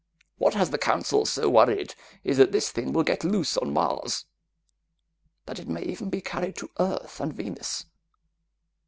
What has the Council so worried is that this thing will get loose on Mars, that it may even be carried to Earth and Venus.